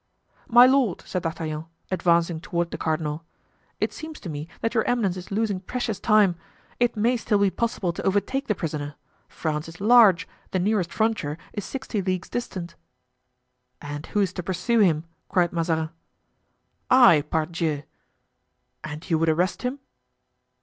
"My lord," said D'Artagnan, advancing toward the cardinal, "it seems to me that your eminence is losing precious time. It may still be possible to overtake the prisoner. France is large; the nearest frontier is sixty leagues distant." "And who is to pursue him?" cried Mazarin. "I, pardieu!" "And you would arrest him?"